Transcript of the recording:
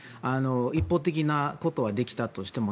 一方的なことはできたとしても。